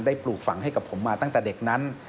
ปลูกฝังให้กับผมมาตั้งแต่เด็กนั้น